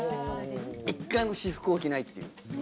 一回も私服を着ないっていう。